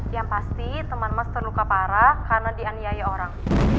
yang pasti teman mas terluka parah karena dianiaya orang